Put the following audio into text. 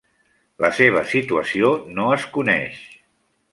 La seva situació no es coneix.